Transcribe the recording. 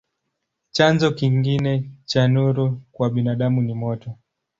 Chanzo kingine cha nuru kwa binadamu ni moto.